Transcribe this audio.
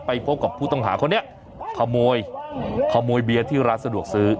พบกับผู้ต้องหาคนนี้ขโมยขโมยเบียร์ที่ร้านสะดวกซื้อ